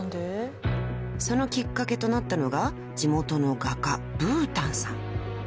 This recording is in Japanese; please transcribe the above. ［そのきっかけとなったのが地元の画家ブーダンさん］